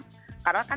karena kan transportasi